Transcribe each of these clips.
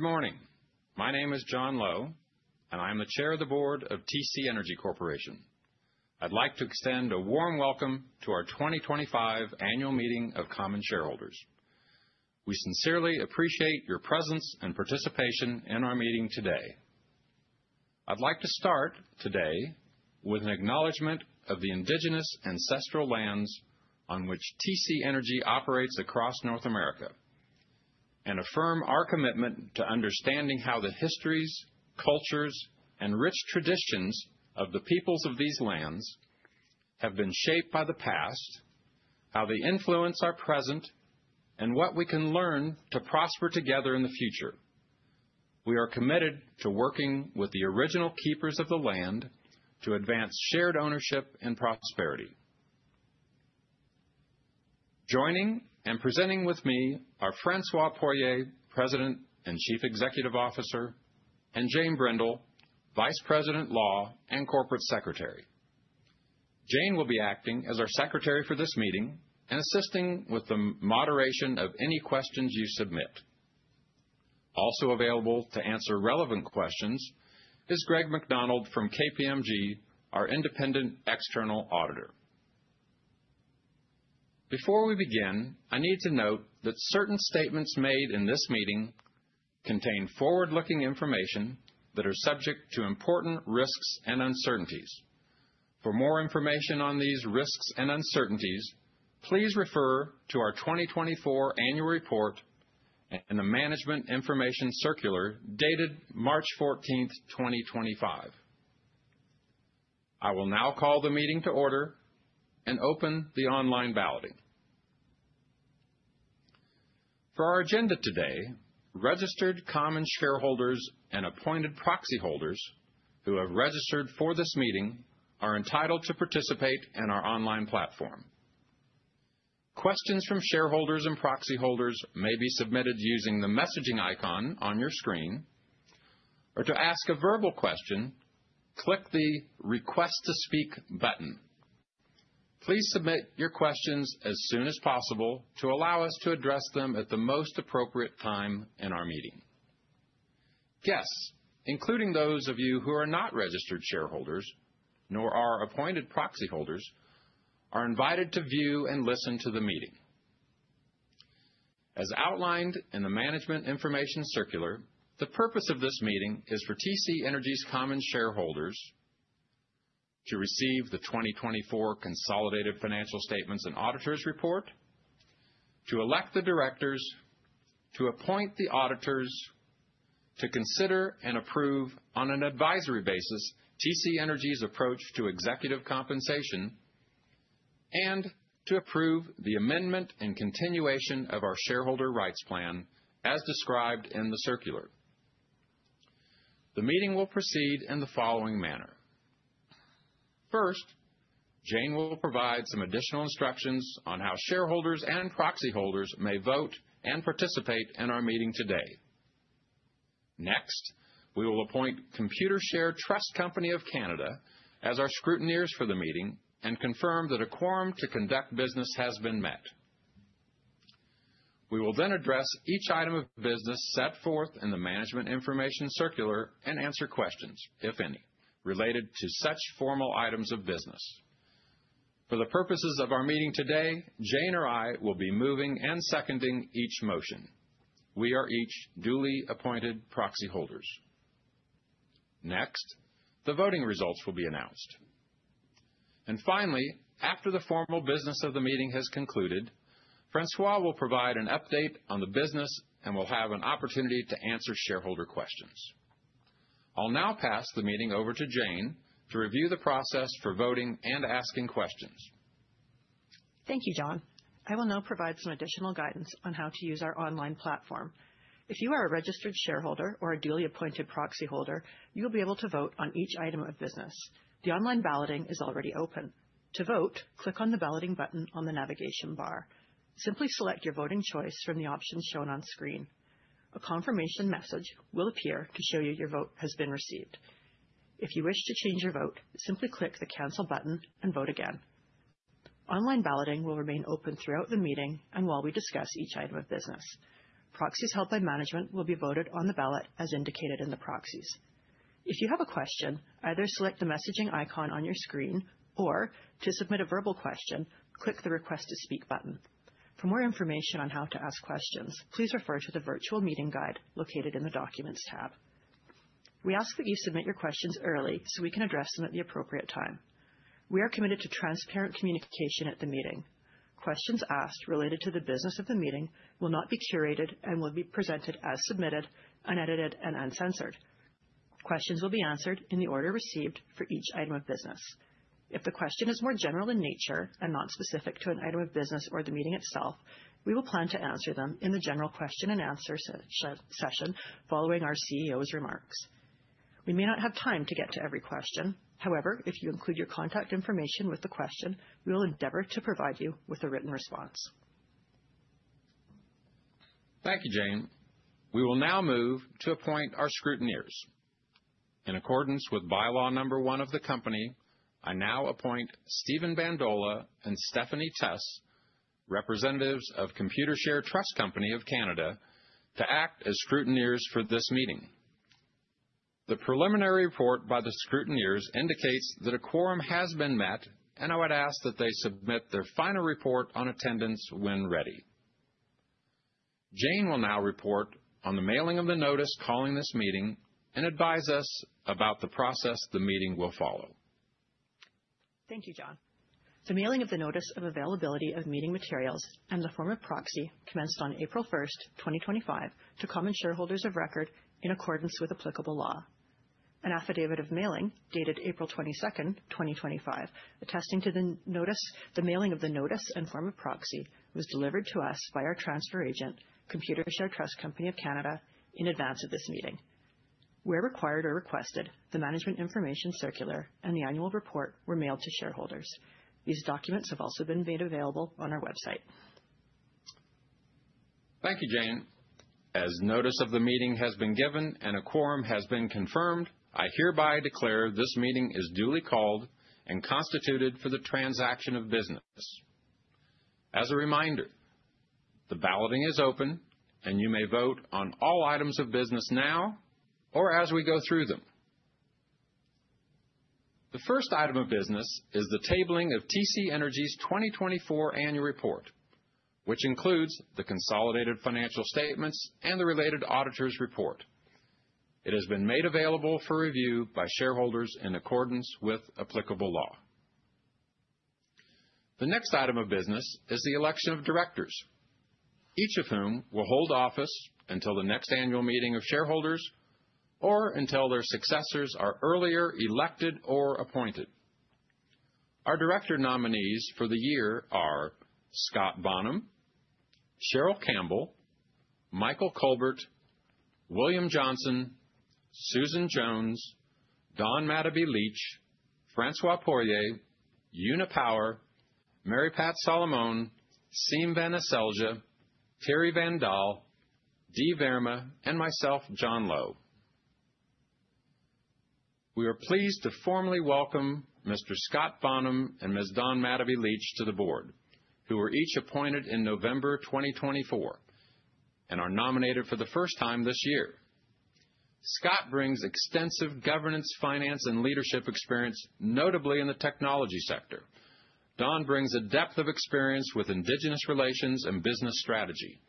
Good morning. My name is John Lowe, and I am the Chair of the Board of TC Energy Corporation. I'd like to extend a warm welcome to our 2025 Annual Meeting of Common Shareholders. We sincerely appreciate your presence and participation in our meeting today. I'd like to start today with an acknowledgment of the Indigenous ancestral lands on which TC Energy operates across North America, and affirm our commitment to understanding how the histories, cultures, and rich traditions of the peoples of these lands have been shaped by the past, how they influence our present, and what we can learn to prosper together in the future. We are committed to working with the original keepers of the land to advance shared ownership and prosperity. Joining and presenting with me are François Poirier, President and Chief Executive Officer, and Jane Brindle, Vice President Law and Corporate Secretary. Jane will be acting as our Secretary for this meeting and assisting with the moderation of any questions you submit. Also available to answer relevant questions is Greg MacDonald from KPMG, our independent external auditor. Before we begin, I need to note that certain statements made in this meeting contain forward-looking information that are subject to important risks and uncertainties. For more information on these risks and uncertainties, please refer to our 2024 Annual Report and the Management Information Circular dated March 14, 2025. I will now call the meeting to order and open the online balloting. For our agenda today, registered common shareholders and appointed proxy holders who have registered for this meeting are entitled to participate in our online platform. Questions from shareholders and proxy holders may be submitted using the messaging icon on your screen, or to ask a verbal question, click the Request to Speak button. Please submit your questions as soon as possible to allow us to address them at the most appropriate time in our meeting. Guests, including those of you who are not registered shareholders nor are appointed proxy holders, are invited to view and listen to the meeting. As outlined in the Management Information Circular, the purpose of this meeting is for TC Energy's common shareholders to receive the 2024 Consolidated Financial Statements and Auditors Report, to elect the directors, to appoint the auditors, to consider and approve on an advisory basis TC Energy's approach to executive compensation, and to approve the amendment and continuation of our shareholder rights plan as described in the circular. The meeting will proceed in the following manner. First, Jane will provide some additional instructions on how shareholders and proxy holders may vote and participate in our meeting today. Next, we will appoint Computershare Trust Company of Canada as our scrutineers for the meeting and confirm that a quorum to conduct business has been met. We will then address each item of business set forth in the Management Information Circular and answer questions, if any, related to such formal items of business. For the purposes of our meeting today, Jane or I will be moving and seconding each motion. We are each duly appointed proxy holders. Next, the voting results will be announced, and finally, after the formal business of the meeting has concluded, François will provide an update on the business and will have an opportunity to answer shareholder questions. I'll now pass the meeting over to Jane to review the process for voting and asking questions. Thank you, John. I will now provide some additional guidance on how to use our online platform. If you are a registered shareholder or a duly appointed proxy holder, you'll be able to vote on each item of business. The online balloting is already open. To vote, click on the balloting button on the navigation bar. Simply select your voting choice from the options shown on screen. A confirmation message will appear to show you your vote has been received. If you wish to change your vote, simply click the Cancel button and vote again. Online balloting will remain open throughout the meeting and while we discuss each item of business. Proxies held by management will be voted on the ballot as indicated in the proxies. If you have a question, either select the messaging icon on your screen or, to submit a verbal question, click the Request to Speak button. For more information on how to ask questions, please refer to the Virtual Meeting Guide located in the Documents tab. We ask that you submit your questions early so we can address them at the appropriate time. We are committed to transparent communication at the meeting. Questions asked related to the business of the meeting will not be curated and will be presented as submitted, unedited, and uncensored. Questions will be answered in the order received for each item of business. If the question is more general in nature and not specific to an item of business or the meeting itself, we will plan to answer them in the general question and answer session following our CEO's remarks. We may not have time to get to every question. However, if you include your contact information with the question, we will endeavor to provide you with a written response. Thank you, Jane. We will now move to appoint our scrutineers. In accordance with by law No. 1 of the company, I now appoint Stefan Bandola and Stephanie Tessier, representatives of Computershare Trust Company of Canada, to act as scrutineers for this meeting. The preliminary report by the scrutineers indicates that a quorum has been met, and I would ask that they submit their final report on attendance when ready. Jane will now report on the mailing of the notice calling this meeting and advise us about the process the meeting will follow. Thank you, John. The mailing of the notice of availability of meeting materials and the form of proxy commenced on April 1, 2025, to common shareholders of record in accordance with applicable law. An affidavit of mailing dated April 22, 2025, attesting to the notice, the mailing of the notice and form of proxy was delivered to us by our transfer agent, Computershare Trust Company of Canada, in advance of this meeting. Where required or requested, the Management Information Circular and the Annual Report were mailed to shareholders. These documents have also been made available on our website. Thank you, Jane. As notice of the meeting has been given and a quorum has been confirmed, I hereby declare this meeting is duly called and constituted for the transaction of business. As a reminder, the balloting is open, and you may vote on all items of business now or as we go through them. The first item of business is the tabling of TC Energy's 2024 Annual Report, which includes the Consolidated Financial Statements and the related auditor's report. It has been made available for review by shareholders in accordance with applicable law. The next item of business is the election of directors, each of whom will hold office until the next annual meeting of shareholders or until their successors are earlier elected or appointed. Our director nominees for the year are Scott Bonham, Cheryl Campbell, Michael Culbert, William Johnson, Susan Jones, Dawn Madahbee Leach, François Poirier, Una Power, Mary Pat Solomone, Siim Vanaselja, Thierry Vandal, Dheeraj Verma, and myself, John Lowe. We are pleased to formally welcome Mr. Scott Bonham and Ms. Dawn Mattabee Leach to the board, who were each appointed in November 2024 and are nominated for the first time this year. Scott brings extensive governance, finance, and leadership experience, notably in the technology sector. Dawn brings a depth of experience with Indigenous relations and business strategy.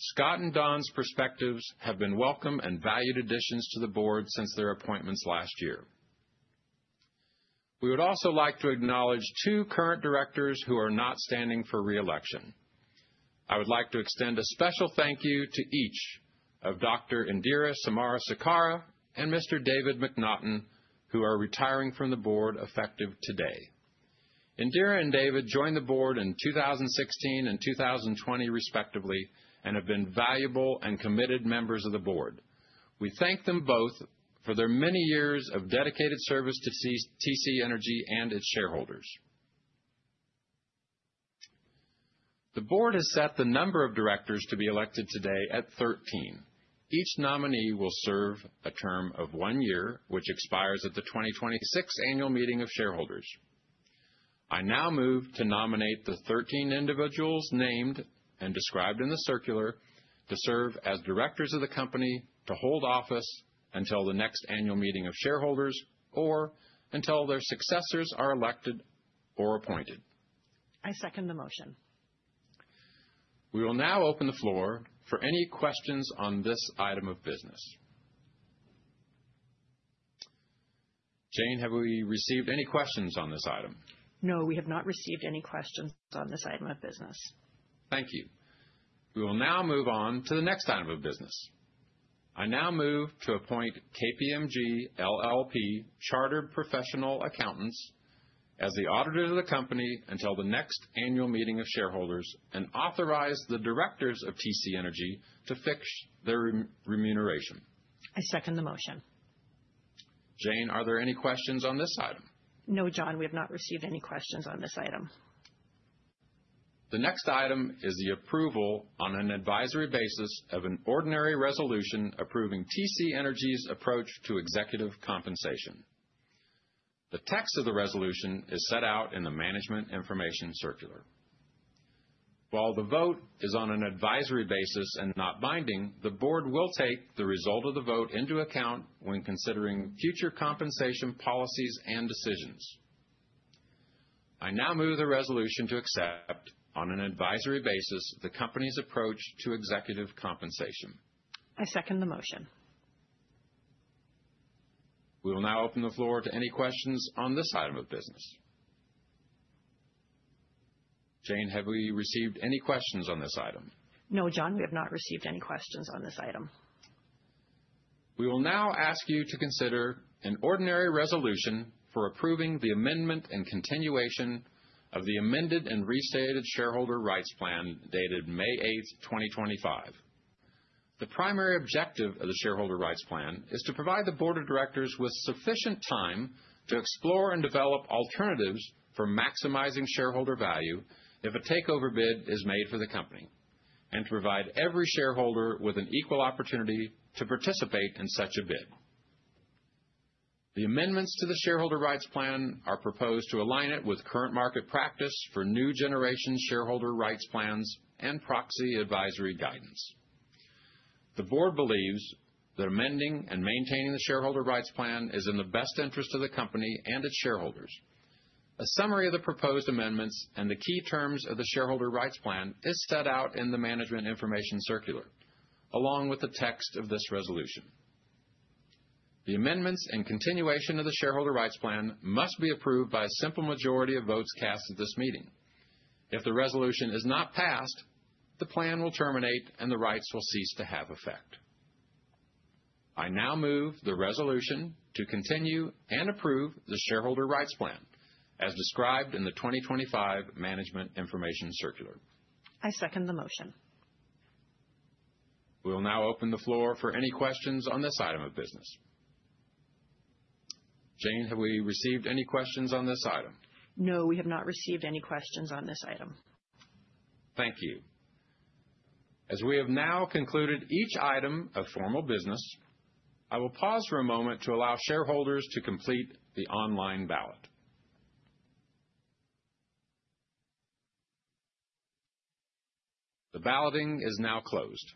Scott and Dawns perspectives have been welcome and valued additions to the board since their appointments last year. We would also like to acknowledge two current directors who are not standing for reelection. I would like to extend a special thank you to each of Dr. Indira Samarasekera and Mr. David MacNaughton, who are retiring from the board effective today. Indira and David joined the board in 2016 and 2020, respectively, and have been valuable and committed members of the board. We thank them both for their many years of dedicated service to TC Energy and its shareholders. The board has set the number of directors to be elected today at 13. Each nominee will serve a term of one year, which expires at the 2026 Annual Meeting of Shareholders. I now move to nominate the 13 individuals named and described in the circular to serve as directors of the company to hold office until the next annual meeting of shareholders or until their successors are elected or appointed. I second the motion. We will now open the floor for any questions on this item of business. Jane, have we received any questions on this item? No, we have not received any questions on this item of business. Thank you. We will now move on to the next item of business. I now move to appoint KPMG LLP Chartered Professional Accountants as the auditor of the company until the next annual meeting of shareholders and authorize the directors of TC Energy to fix their remuneration. I second the motion. Jane, are there any questions on this item? No, John, we have not received any questions on this item. The next item is the approval on an advisory basis of an ordinary resolution approving TC Energy's approach to executive compensation. The text of the resolution is set out in the Management Information Circular. While the vote is on an advisory basis and not binding, the board will take the result of the vote into account when considering future compensation policies and decisions. I now move the resolution to accept on an advisory basis the company's approach to executive compensation. I second the motion. We will now open the floor to any questions on this item of business. Jane, have we received any questions on this item? No, John, we have not received any questions on this item. We will now ask you to consider an ordinary resolution for approving the amendment and continuation of the amended and restated shareholder rights plan dated May 8, 2025. The primary objective of the shareholder rights plan is to provide the board of directors with sufficient time to explore and develop alternatives for maximizing shareholder value if a takeover bid is made for the company, and to provide every shareholder with an equal opportunity to participate in such a bid. The amendments to the shareholder rights plan are proposed to align it with current market practice for new generation shareholder rights plans and proxy advisory guidance. The board believes that amending and maintaining the shareholder rights plan is in the best interest of the company and its shareholders. A summary of the proposed amendments and the key terms of the shareholder rights plan is set out in the Management Information Circular, along with the text of this resolution. The amendments and continuation of the shareholder rights plan must be approved by a simple majority of votes cast at this meeting. If the resolution is not passed, the plan will terminate and the rights will cease to have effect. I now move the resolution to continue and approve the shareholder rights plan as described in the 2025 Management Information Circular. I second the motion. We will now open the floor for any questions on this item of business. Jane, have we received any questions on this item? No, we have not received any questions on this item. Thank you. As we have now concluded each item of formal business, I will pause for a moment to allow shareholders to complete the online ballot. The balloting is now closed.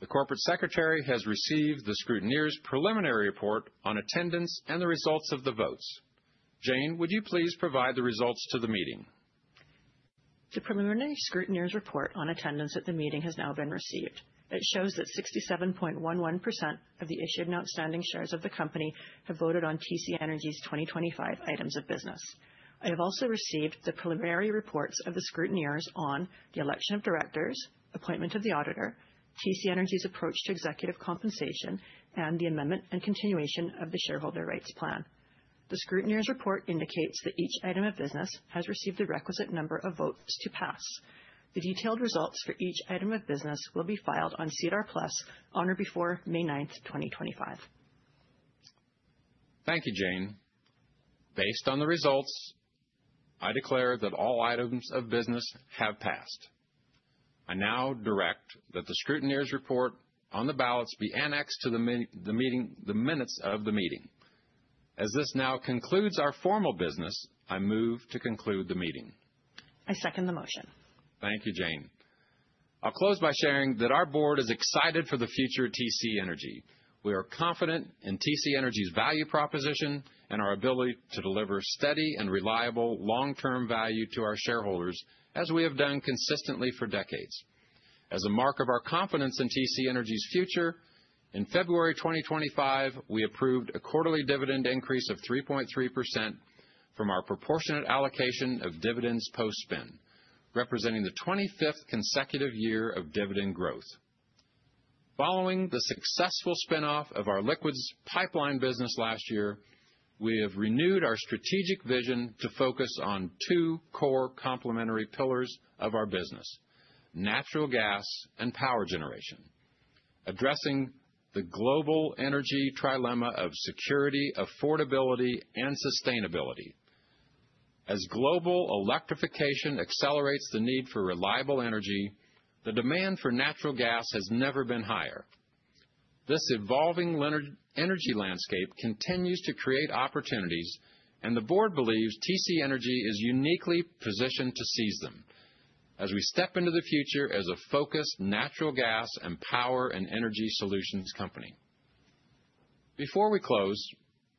The corporate secretary has received the scrutineers' preliminary report on attendance and the results of the votes. Jane, would you please provide the results to the meeting? The preliminary scrutineers' report on attendance at the meeting has now been received. It shows that 67.11% of the issued and outstanding shares of the company have voted on TC Energy's 2025 items of business. I have also received the preliminary reports of the scrutineers on the election of directors, appointment of the auditor, TC Energy's approach to executive compensation, and the amendment and continuation of the shareholder rights plan. The scrutineers' report indicates that each item of business has received the requisite number of votes to pass. The detailed results for each item of business will be filed on SEDAR+ on or before May 9, 2025. Thank you, Jane. Based on the results, I declare that all items of business have passed. I now direct that the scrutineers' report on the ballots be annexed to the minutes of the meeting. As this now concludes our formal business, I move to conclude the meeting. I second the motion. Thank you, Jane. I'll close by sharing that our board is excited for the future of TC Energy. We are confident in TC Energy's value proposition and our ability to deliver steady and reliable long-term value to our shareholders, as we have done consistently for decades. As a mark of our confidence in TC Energy's future, in February 2025, we approved a quarterly dividend increase of 3.3% from our proportionate allocation of dividends post-spin, representing the 25th consecutive year of dividend growth. Following the successful spinoff of our liquids pipeline business last year, we have renewed our strategic vision to focus on two core complementary pillars of our business: natural gas and power generation, addressing the global energy trilemma of security, affordability, and sustainability. As global electrification accelerates the need for reliable energy, the demand for natural gas has never been higher. This evolving energy landscape continues to create opportunities, and the board believes TC Energy is uniquely positioned to seize them as we step into the future as a focused natural gas and power and energy solutions company. Before we close,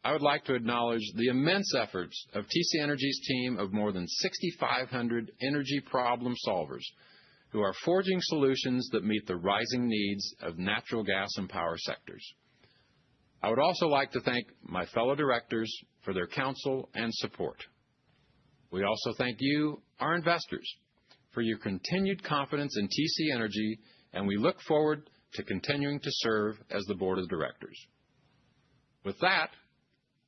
I would like to acknowledge the immense efforts of TC Energy's team of more than 6,500 energy problem solvers who are forging solutions that meet the rising needs of natural gas and power sectors. I would also like to thank my fellow directors for their counsel and support. We also thank you, our investors, for your continued confidence in TC Energy, and we look forward to continuing to serve as the board of directors. With that,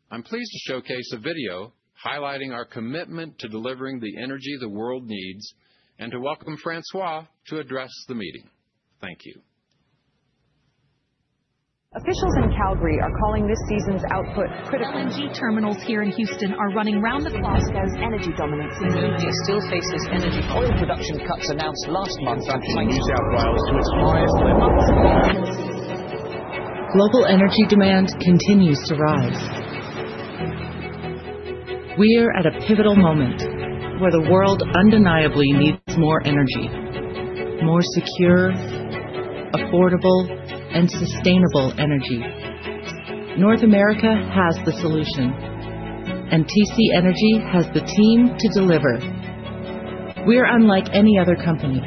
I'm pleased to showcase a video highlighting our commitment to delivering the energy the world needs and to welcome François to address the meeting. Thank you. Officials in Calgary are calling this season's output critical. The LNG terminals here in Houston are running around the globe. As energy dominance in the media still faces energy production cuts announced last month. Global energy demand continues to rise. We are at a pivotal moment where the world undeniably needs more energy, more secure, affordable, and sustainable energy. North America has the solution, and TC Energy has the team to deliver. We are unlike any other company.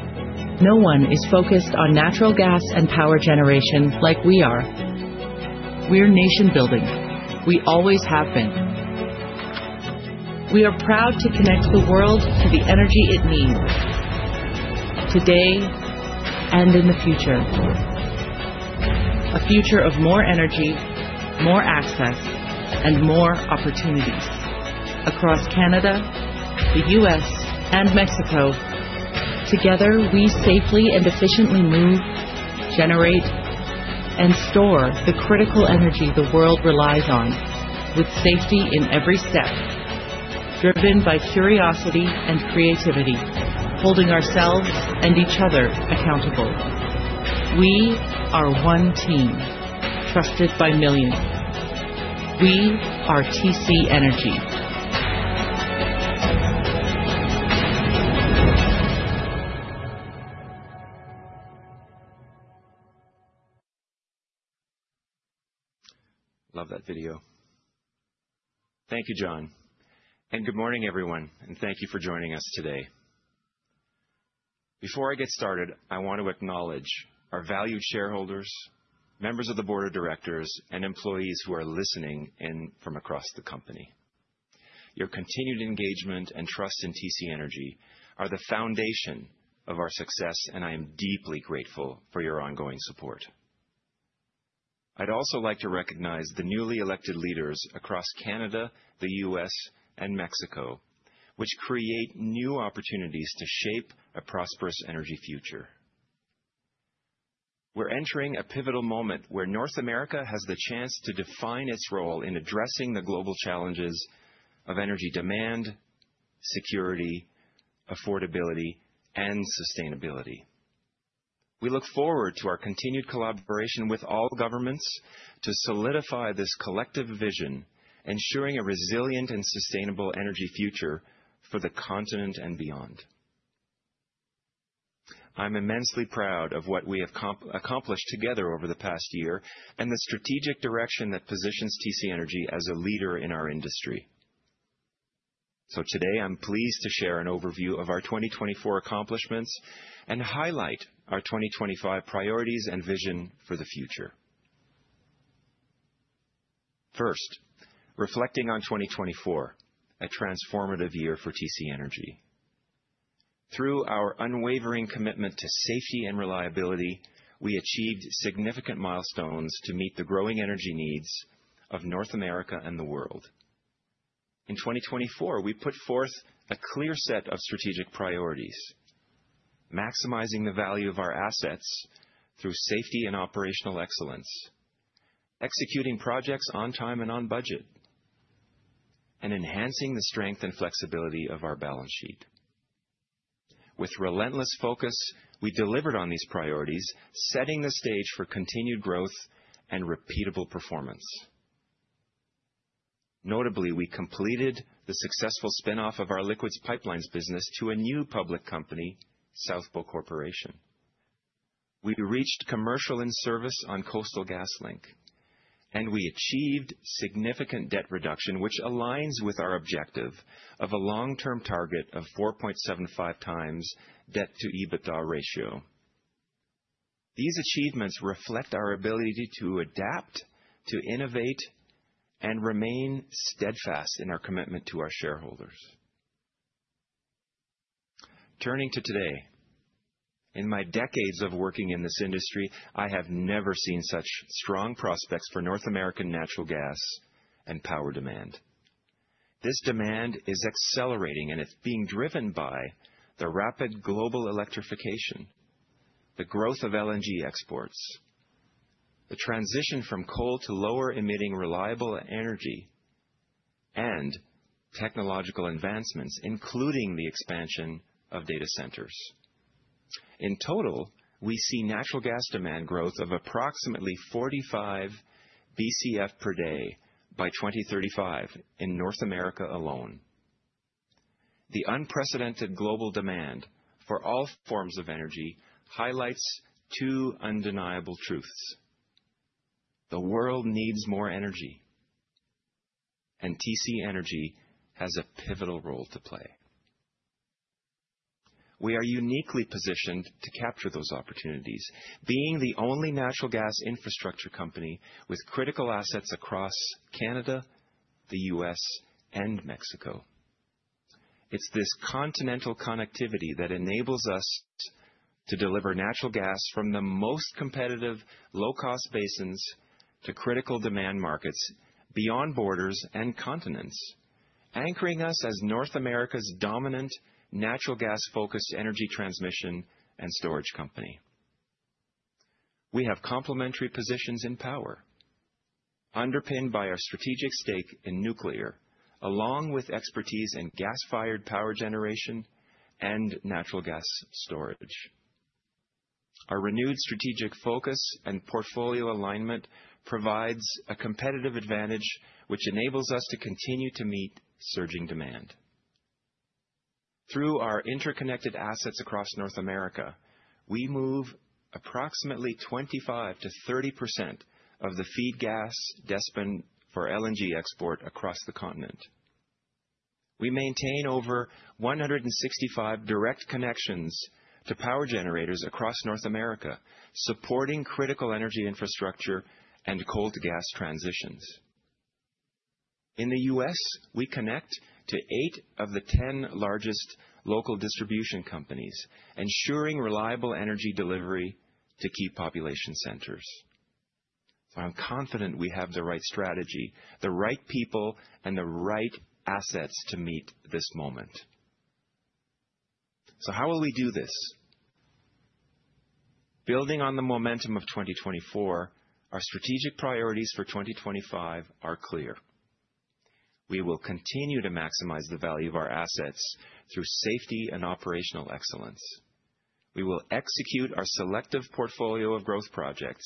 No one is focused on natural gas and power generation like we are. We are nation-building. We always have been. We are proud to connect the world to the energy it needs today and in the future, a future of more energy, more access, and more opportunities across Canada, the U.S., and Mexico. Together, we safely and efficiently move, generate, and store the critical energy the world relies on with safety in every step, driven by curiosity and creativity, holding ourselves and each other accountable. We are one team trusted by millions. We are TC Energy. Love that video. Thank you, John. And good morning, everyone, and thank you for joining us today. Before I get started, I want to acknowledge our valued shareholders, members of the board of directors, and employees who are listening in from across the company. Your continued engagement and trust in TC Energy are the foundation of our success, and I am deeply grateful for your ongoing support. I'd also like to recognize the newly elected leaders across Canada, the U.S., and Mexico, which create new opportunities to shape a prosperous energy future. We're entering a pivotal moment where North America has the chance to define its role in addressing the global challenges of energy demand, security, affordability, and sustainability. We look forward to our continued collaboration with all governments to solidify this collective vision, ensuring a resilient and sustainable energy future for the continent and beyond. I'm immensely proud of what we have accomplished together over the past year and the strategic direction that positions TC Energy as a leader in our industry. So today, I'm pleased to share an overview of our 2024 accomplishments and highlight our 2025 priorities and vision for the future. First, reflecting on 2024, a transformative year for TC Energy. Through our unwavering commitment to safety and reliability, we achieved significant milestones to meet the growing energy needs of North America and the world. In 2024, we put forth a clear set of strategic priorities: maximizing the value of our assets through safety and operational excellence, executing projects on time and on budget, and enhancing the strength and flexibility of our balance sheet. With relentless focus, we delivered on these priorities, setting the stage for continued growth and repeatable performance. Notably, we completed the successful spinoff of our liquids pipelines business to a new public company, South Bow Corporation. We reached commercial service on Coastal GasLink, and we achieved significant debt reduction, which aligns with our objective of a long-term target of 4.75 times debt-to-EBITDA ratio. These achievements reflect our ability to adapt, to innovate, and remain steadfast in our commitment to our shareholders. Turning to today, in my decades of working in this industry, I have never seen such strong prospects for North American natural gas and power demand. This demand is accelerating, and it's being driven by the rapid global electrification, the growth of LNG exports, the transition from coal to lower-emitting reliable energy, and technological advancements, including the expansion of data centers. In total, we see natural gas demand growth of approximately 45 BCF per day by 2035 in North America alone. The unprecedented global demand for all forms of energy highlights two undeniable truths: the world needs more energy, and TC Energy has a pivotal role to play. We are uniquely positioned to capture those opportunities, being the only natural gas infrastructure company with critical assets across Canada, the U.S., and Mexico. It's this continental connectivity that enables us to deliver natural gas from the most competitive, low-cost basins to critical demand markets beyond borders and continents, anchoring us as North America's dominant natural gas-focused energy transmission and storage company. We have complementary positions in power, underpinned by our strategic stake in nuclear, along with expertise in gas-fired power generation and natural gas storage. Our renewed strategic focus and portfolio alignment provides a competitive advantage, which enables us to continue to meet surging demand. Through our interconnected assets across North America, we move approximately 25%-30% of the feed gas destined for LNG export across the continent. We maintain over 165 direct connections to power generators across North America, supporting critical energy infrastructure and coal-to-gas transitions. In the U.S., we connect to eight of the 10 largest local distribution companies, ensuring reliable energy delivery to key population centers. So I'm confident we have the right strategy, the right people, and the right assets to meet this moment. So how will we do this? Building on the momentum of 2024, our strategic priorities for 2025 are clear. We will continue to maximize the value of our assets through safety and operational excellence. We will execute our selective portfolio of growth projects,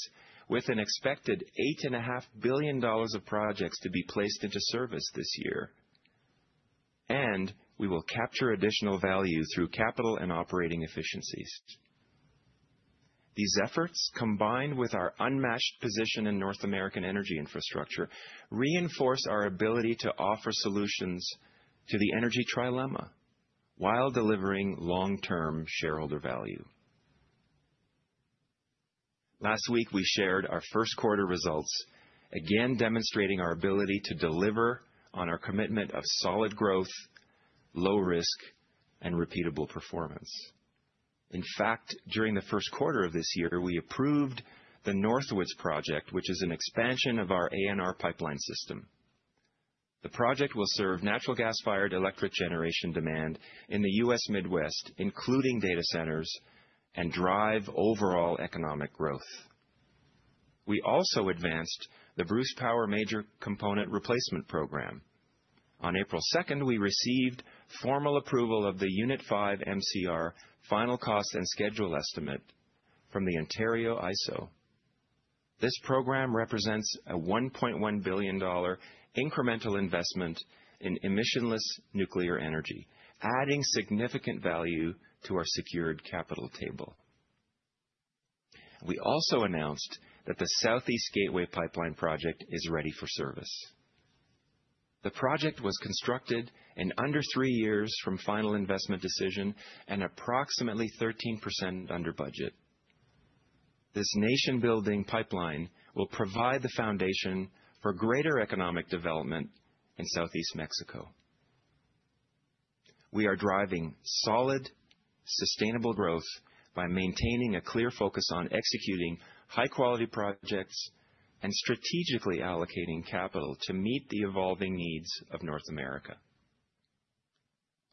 with an expected $8.5 billion of projects to be placed into service this year. We will capture additional value through capital and operating efficiencies. These efforts, combined with our unmatched position in North American energy infrastructure, reinforce our ability to offer solutions to the energy trilemma while delivering long-term shareholder value. Last week, we shared our first quarter results, again demonstrating our ability to deliver on our commitment of solid growth, low risk, and repeatable performance. In fact, during the first quarter of this year, we approved the Northwood project, which is an expansion of our ANR pipeline system. The project will serve natural gas-fired electric generation demand in the U.S. Midwest, including data centers, and drive overall economic growth. We also advanced the Bruce Power Major Component Replacement Program. On April 2nd, we received formal approval of the Unit 5 MCR Final Costs and Schedule Estimate from the Ontario IESO. This program represents a $1.1 billion incremental investment in emissionless nuclear energy, adding significant value to our secured capital table. We also announced that the Southeast Gateway Pipeline Project is ready for service. The project was constructed in under three years from final investment decision and approximately 13% under budget. This nation-building pipeline will provide the foundation for greater economic development in Southeast Mexico. We are driving solid, sustainable growth by maintaining a clear focus on executing high-quality projects and strategically allocating capital to meet the evolving needs of North America.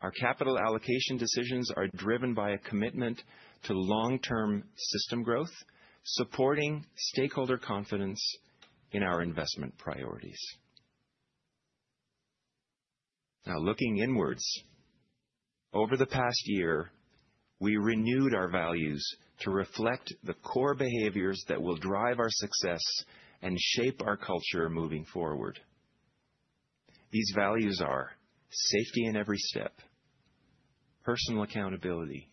Our capital allocation decisions are driven by a commitment to long-term system growth, supporting stakeholder confidence in our investment priorities. Now, looking inwards, over the past year, we renewed our values to reflect the core behaviors that will drive our success and shape our culture moving forward. These values are safety in every step, personal accountability,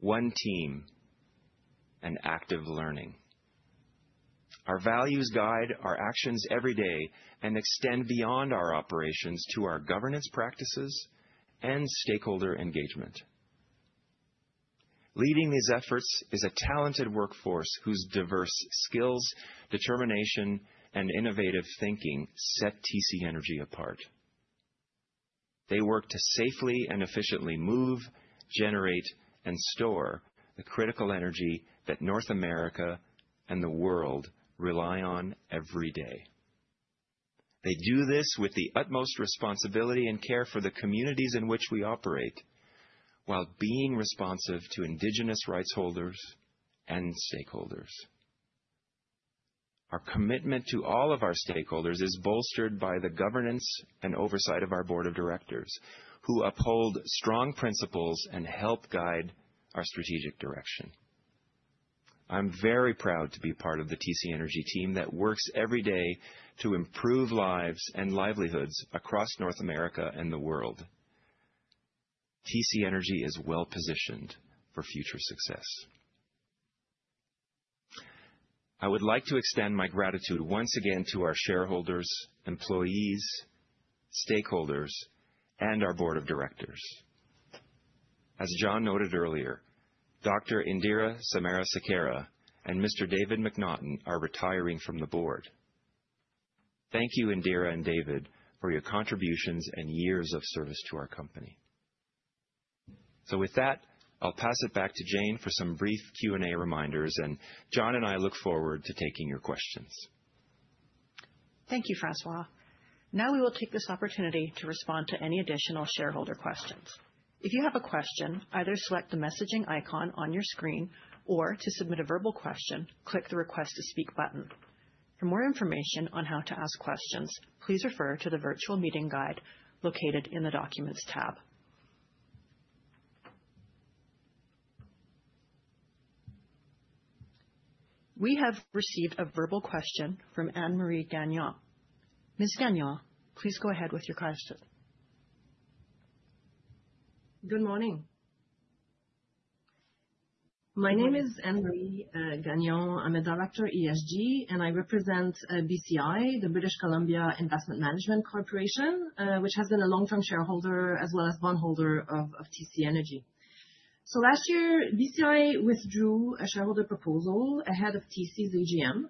one team, and active learning. Our values guide our actions every day and extend beyond our operations to our governance practices and stakeholder engagement. Leading these efforts is a talented workforce whose diverse skills, determination, and innovative thinking set TC Energy apart. They work to safely and efficiently move, generate, and store the critical energy that North America and the world rely on every day. They do this with the utmost responsibility and care for the communities in which we operate, while being responsive to indigenous rights holders and stakeholders. Our commitment to all of our stakeholders is bolstered by the governance and oversight of our board of directors, who uphold strong principles and help guide our strategic direction. I'm very proud to be part of the TC Energy team that works every day to improve lives and livelihoods across North America and the world. TC Energy is well-positioned for future success. I would like to extend my gratitude once again to our shareholders, employees, stakeholders, and our board of directors. As John noted earlier, Dr. Indira Samarasekara Sekera and Mr. David MacNaughton are retiring from the board. Thank you, Indira and David, for your contributions and years of service to our company. So with that, I'll pass it back to Jane for some brief Q&A reminders, and John and I look forward to taking your questions. Thank you, François. Now we will take this opportunity to respond to any additional shareholder questions. If you have a question, either select the messaging icon on your screen, or to submit a verbal question, click the Request to Speak button. For more information on how to ask questions, please refer to the virtual meeting guide located in the Documents tab. We have received a verbal question from Anne-Marie Gagnon. Ms. Gagnon, please go ahead with your question. Good morning. My name is Anne Marie Gagnon. I'm a director of ESG, and I represent BCI, the British Columbia Investment Management Corporation, which has been a long-term shareholder as well as bondholder of TC Energy. So last year, BCI withdrew a shareholder proposal ahead of TC's AGM,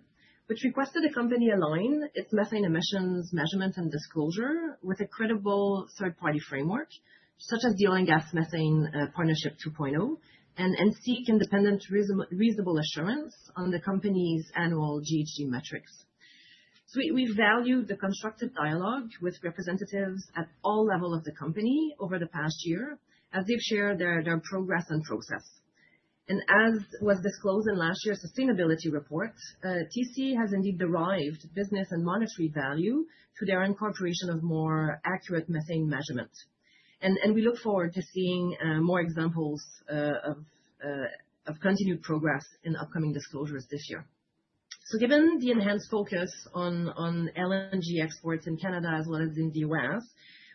which requested the company align its methane emissions measurement and disclosure with a credible third-party framework, such as the Oil and Gas Methane Partnership 2.0 and NCC Independent Reasonable Assurance on the company's annual GHG metrics. So we value the constructive dialogue with representatives at all levels of the company over the past year as they've shared their progress and process. And as was disclosed in last year's sustainability report, TC has indeed derived business and monetary value through their incorporation of more accurate methane measurement. And we look forward to seeing more examples of continued progress in upcoming disclosures this year. So given the enhanced focus on LNG exports in Canada as well as in the U.S.,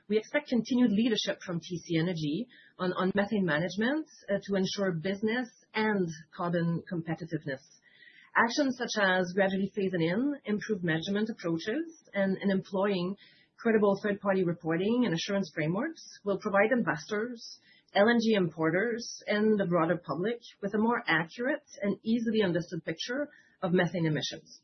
we expect continued leadership from TC Energy on methane management to ensure business and carbon competitiveness. Actions such as gradually phasing in improved measurement approaches and employing credible third-party reporting and assurance frameworks will provide investors, LNG importers, and the broader public with a more accurate and easily understood picture of methane emissions.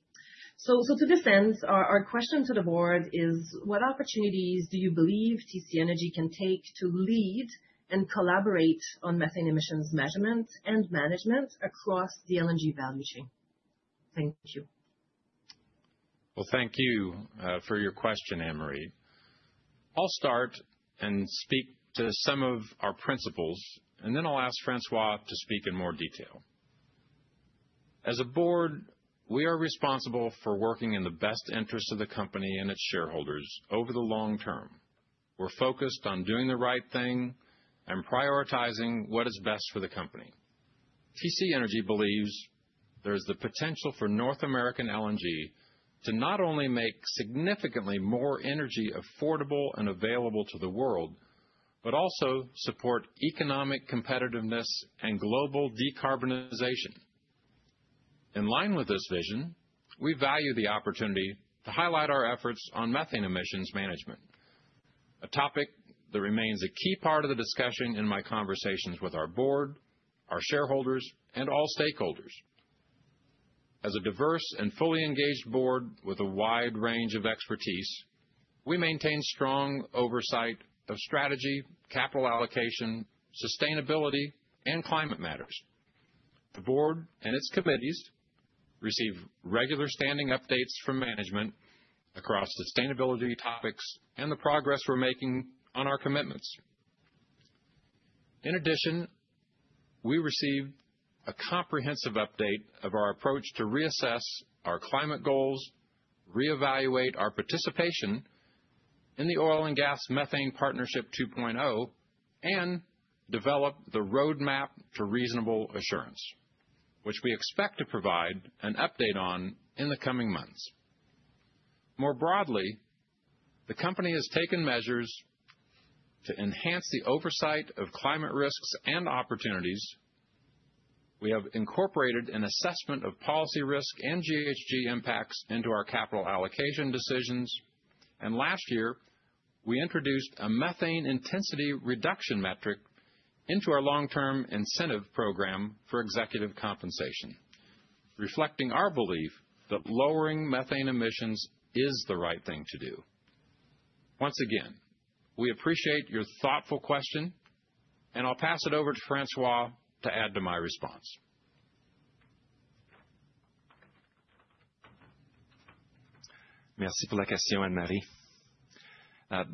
So to this end, our question to the board is, what opportunities do you believe TC Energy can take to lead and collaborate on methane emissions measurement and management across the LNG value chain? Thank you. Thank you for your question, Anne Marie. I'll start and speak to some of our principles, and then I'll ask François to speak in more detail. As a board, we are responsible for working in the best interest of the company and its shareholders over the long term. We're focused on doing the right thing and prioritizing what is best for the company. TC Energy believes there is the potential for North American LNG to not only make significantly more energy affordable and available to the world, but also support economic competitiveness and global decarbonization. In line with this vision, we value the opportunity to highlight our efforts on methane emissions management, a topic that remains a key part of the discussion in my conversations with our board, our shareholders, and all stakeholders. As a diverse and fully engaged board with a wide range of expertise, we maintain strong oversight of strategy, capital allocation, sustainability, and climate matters. The board and its committees receive regular standing updates from management across sustainability topics and the progress we're making on our commitments. In addition, we received a comprehensive update of our approach to reassess our climate goals, reevaluate our participation in the Oil and Gas Methane Partnership 2.0, and develop the roadmap to reasonable assurance, which we expect to provide an update on in the coming months. More broadly, the company has taken measures to enhance the oversight of climate risks and opportunities. We have incorporated an assessment of policy risk and GHG impacts into our capital allocation decisions. Last year, we introduced a methane intensity reduction metric into our long-term incentive program for executive compensation, reflecting our belief that lowering methane emissions is the right thing to do. Once again, we appreciate your thoughtful question, and I'll pass it over to François to add to my response. Merci pour la question, Anne Marie.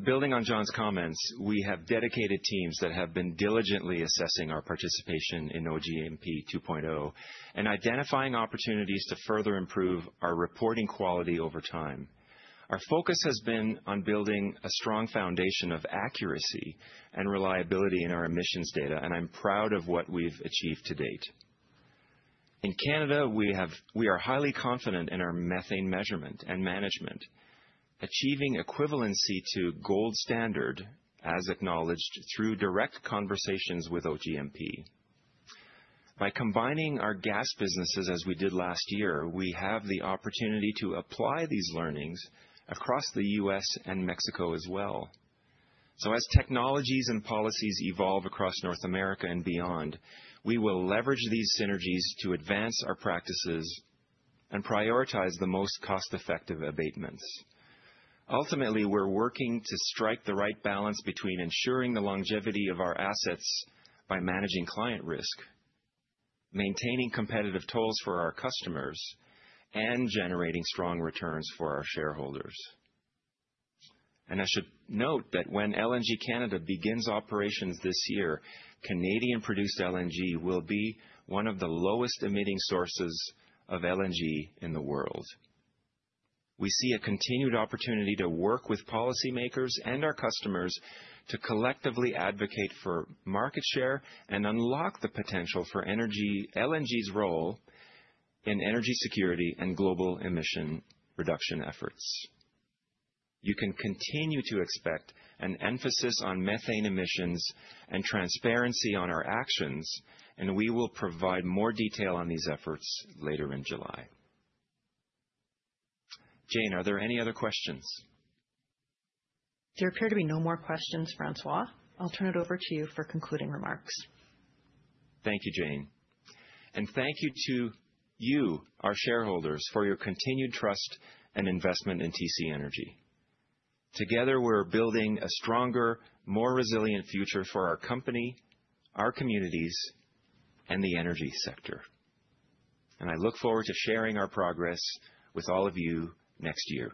Building on John's comments, we have dedicated teams that have been diligently assessing our participation in OGMP 2.0 and identifying opportunities to further improve our reporting quality over time. Our focus has been on building a strong foundation of accuracy and reliability in our emissions data, and I'm proud of what we've achieved to date. In Canada, we are highly confident in our methane measurement and management, achieving equivalency to gold standard as acknowledged through direct conversations with OGMP. By combining our gas businesses as we did last year, we have the opportunity to apply these learnings across the U.S. and Mexico as well, so as technologies and policies evolve across North America and beyond, we will leverage these synergies to advance our practices and prioritize the most cost-effective abatements. Ultimately, we're working to strike the right balance between ensuring the longevity of our assets by managing client risk, maintaining competitive tolls for our customers, and generating strong returns for our shareholders, and I should note that when LNG Canada begins operations this year, Canadian-produced LNG will be one of the lowest emitting sources of LNG in the world. We see a continued opportunity to work with policymakers and our customers to collectively advocate for market share and unlock the potential for LNG's role in energy security and global emission reduction efforts. You can continue to expect an emphasis on methane emissions and transparency on our actions, and we will provide more detail on these efforts later in July. Jane, are there any other questions? There appear to be no more questions, François. I'll turn it over to you for concluding remarks. Thank you, Jane. And thank you to you, our shareholders, for your continued trust and investment in TC Energy. Together, we're building a stronger, more resilient future for our company, our communities, and the energy sector. And I look forward to sharing our progress with all of you next year.